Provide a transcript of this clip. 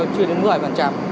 chưa đến một mươi